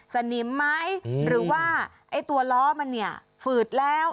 สนิมไหมหรือว่าไอ้ตัวล้อมันเนี่ยฝืดแล้ว